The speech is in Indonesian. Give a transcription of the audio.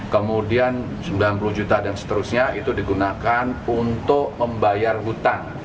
kemudian sembilan puluh juta dan seterusnya itu digunakan untuk membayar hutang